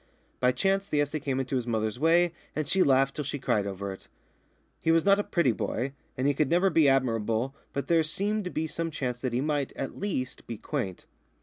By chance the essay came into his mother's way, and she laughed till she cried over it. He was not a pretty boy, and he could never be admirable, but there seemed to be some chance that he might, at least, be quaint.